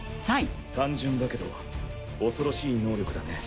単純だけど恐ろしい能力だね。